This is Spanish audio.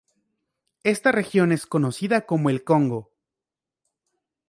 Esta región es conocida como El Congo.